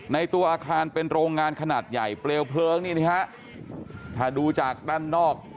ในตัวอาคารเป็นโรงงานขนาดใหญ่เปลวเพลิงนี่นี่ฮะถ้าดูจากด้านนอก